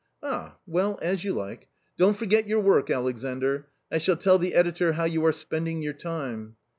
" Ah ! well, as you like. Don't forget your work, Alexandr; I shall tell the editor how you are spending your time."